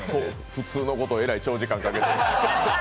普通のことをえらい長時間かけて。